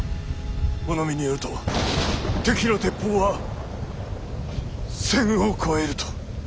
物見によると敵の鉄砲は１，０００を超えると。